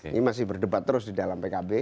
ini masih berdebat terus di dalam pkb